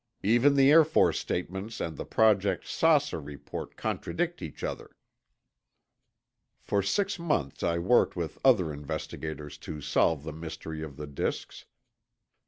Even the Air Force statements and the Project 'Saucer' report contradict each other." For six months, I worked with other investigators to solve the mystery of the disks.